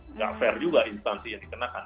tidak fair juga instansinya dikenakan